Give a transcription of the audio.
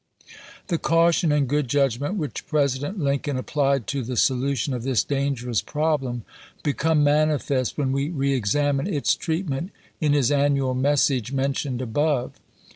The caution and good judgment which President Lincoln applied to the solution of this dangerous problem become manifest when we reexamine its treatment in his annual message mentioned above.